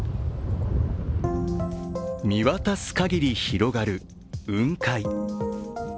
見渡す限り広がる雲海。